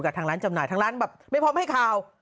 ทางร้านจำหน่ายทางร้านแบบไม่พร้อมให้ข่าว